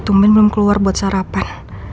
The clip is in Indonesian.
tumin belum keluar buat sarapan